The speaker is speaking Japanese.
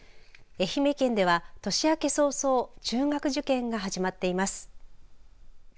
愛媛県では、年明け早々中学受験が始まっています。